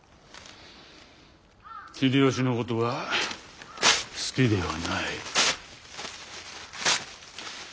秀吉のことは好きではない。